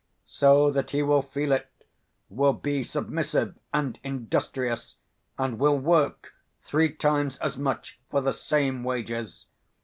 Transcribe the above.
So that he will feel it, will be submissive and industrious, and will work three times as much for the same wages.